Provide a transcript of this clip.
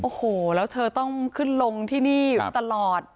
โอ้โหแล้วเธอต้องขึ้นลงที่นี่ตลอด